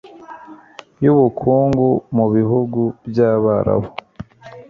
y ubukungu mu bihugu by abarabu